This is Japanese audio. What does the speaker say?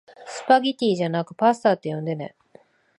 スパゲティじゃなくパスタって呼んでね